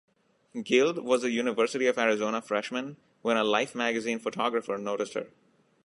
Guild was a University of Arizona freshman when a "Life" magazine photographer noticed her.